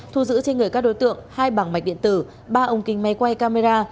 thu giữ trên người các đối tượng hai bảng mạch điện tử ba ống kính máy quay camera